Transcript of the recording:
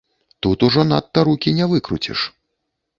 Тут ужо надта рукі не выкруціш.